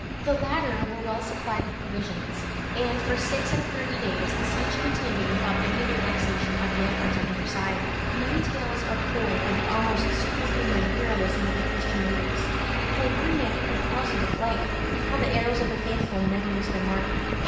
The latter were well supplied with provisions, and for six and thirty days the siege continued without any relaxation of the efforts on either side. Many tales are told of the almost superhuman heroism of the Christian leaders how one man put a thousand to flight; and how the arrows of the faithful never missed their mark.